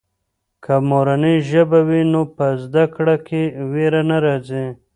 که مورنۍ ژبه وي نو په زده کړه کې وېره نه راځي.